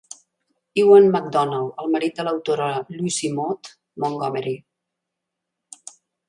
Ewan Macdonald, el marit de l'autora Lucy Maud Montgomery.